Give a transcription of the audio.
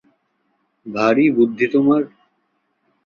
ভারি বুদ্ধি তোমার!